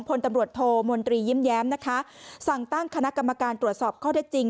พลตำรวจโทมนตรียิ้มแย้มนะคะสั่งตั้งคณะกรรมการตรวจสอบข้อได้จริง